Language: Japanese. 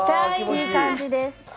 いい感じです。